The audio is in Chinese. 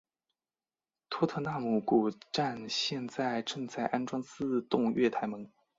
托特纳姆谷站现在正在安装自动月台门。